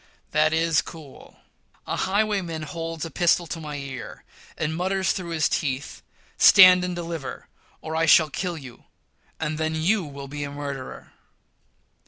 That is cool. A highwayman holds a pistol to my ear, and mutters through his teeth, "stand and deliver, or I shall kill you, and then you'll be a murderer!"